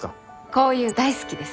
こういうの大好きです。